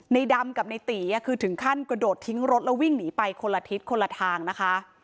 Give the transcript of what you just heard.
ในดำกับในตีคือถึงขั้นกระโดดทิ้งรถแล้ววิ่งหนีไปคนละทิศคนละทางนะคะ